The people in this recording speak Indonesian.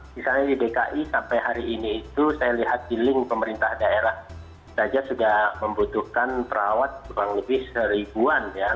misalnya di dki sampai hari ini itu saya lihat di link pemerintah daerah saja sudah membutuhkan perawat kurang lebih seribuan ya